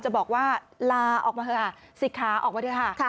จะบอกว่าลาออกมาเถอะค่ะศิษย์ค้าออกมาเถอะค่ะ